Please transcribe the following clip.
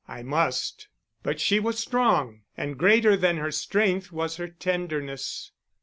"I must." But she was strong, and greater than her strength was her tenderness.